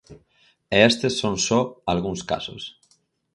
E estes son só algúns casos.